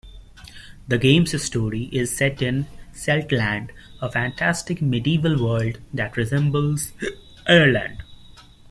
The game's story is set in Celtland, a fantastic medieval world that resembles Ireland.